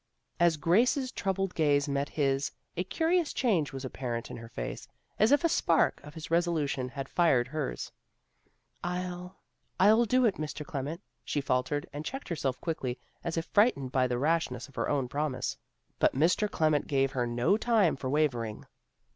As Grace's troubled gaze met his a curious change was apparent in her face, as if a spark of his resolution had fired hers. " I'll I'll do it, Mr. Clement," she faltered, and checked herself quickly, as if frightened by the rashness of her own promise. But Mr. Clement gave her no time for wavering.